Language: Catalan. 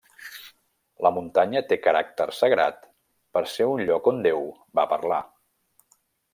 La muntanya té caràcter sagrat per ser un lloc on Déu va parlar.